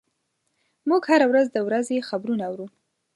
موږ هره ورځ د ورځې خبرونه اورو.